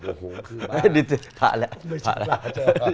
โอ้โหขึ้นบ้าน